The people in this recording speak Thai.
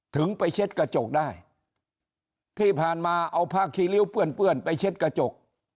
ถึงไปเช็ดกระจกได้ที่ผ่านมาเอาผ้าคีริ้วเปื้อนเปื้อนไปเช็ดกระจก